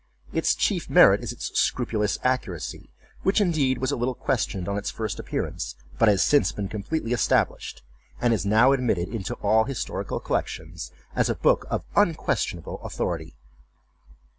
Its chief merit is its scrupulous accuracy, which indeed was a little questioned on its first appearance, but has since been completely established; and it is now admitted into all historical collections, as a book of unquestionable authority.